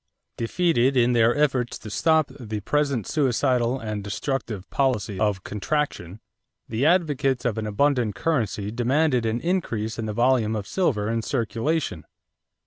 = Defeated in their efforts to stop "the present suicidal and destructive policy of contraction," the advocates of an abundant currency demanded an increase in the volume of silver in circulation.